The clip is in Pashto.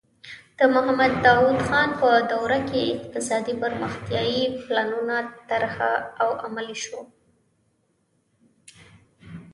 د محمد داؤد خان په دوره کې اقتصادي پرمختیايي پلانونه طرح او عملي شول.